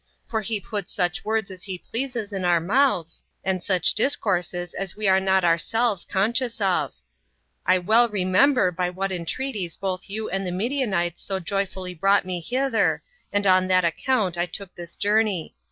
for he puts such words as he pleases in our mouths, and such discourses as we are not ourselves conscious of. I well remember by what entreaties both you and the Midianites so joyfully brought me hither, and on that account I took this journey.